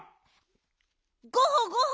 ゴホゴホ！